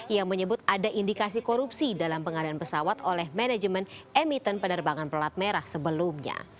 yang menyebut ada indikasi korupsi dalam pengadaan pesawat oleh manajemen emiten penerbangan pelat merah sebelumnya